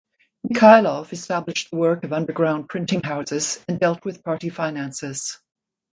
Mikhailov established the work of underground printing houses and dealt with party finances.